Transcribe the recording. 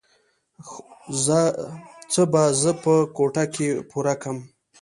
څه به زه په کوټه کښې پورکم.